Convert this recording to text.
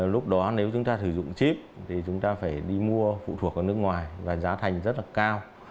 lúc đó nếu chúng ta sử dụng chip thì chúng ta phải đi mua phụ thuộc ở nước ngoài và giá thành rất là cao